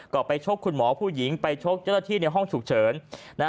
ก็ไปชกคุณหมอผู้หญิงไปชกเจ้าหน้าที่ในห้องฉุกเฉินนะฮะ